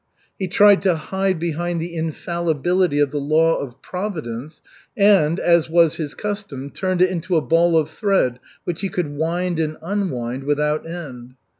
He tried to hide behind the infallibility of the law of Providence and, as was his custom, turned it into a ball of thread which he could wind and unwind without end.